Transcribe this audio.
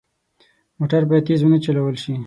موټر باید تېز نه وچلول شي.